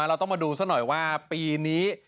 เราต้องมาดูซะหน่อยว่าปีนี้